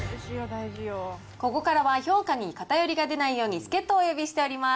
ここからは評価に偏りが出ないように、助っとをお呼びしております。